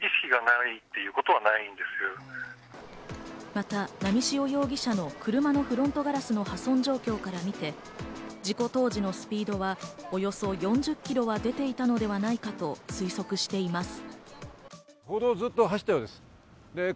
また、波汐容疑者の車のフロントガラスの破損状況からみて、事故当時のスピードはおよそ４０キロは出ていたのではないかと推測しています。